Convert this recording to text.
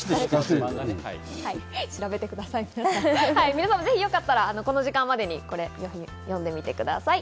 皆さんもぜひよかったら、この時間までに読んでみてください。